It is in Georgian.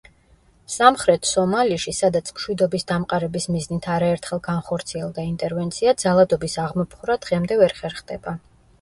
სამხრეთ სომალიში, სადაც მშვიდობის დამყარების მიზნით არაერთხელ განხორციელდა ინტერვენცია, ძალადობის აღმოფხვრა დღემდე ვერ ხერხდება.